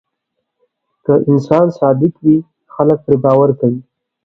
که انسان صادق وي، خلک پرې باور کوي.